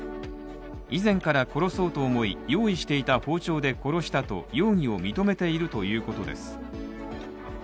以前から殺そうと思い用意していた包丁で殺したと容疑を認めているということです。